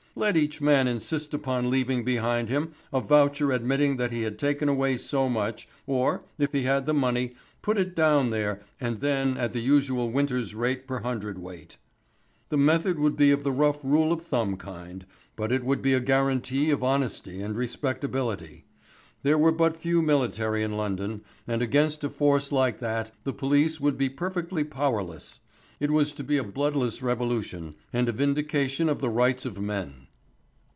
Let each man insist upon leaving behind him a voucher admitting that he had taken away so much, or, if he had the money, put it down there and then at the usual winter's rate per hundredweight. The method would be of the rough rule of thumb kind, but it would be a guarantee of honesty and respectability. There were but few military in London, and against a force like that the police would be perfectly powerless. It was to be a bloodless revolution and a vindication of the rights of men.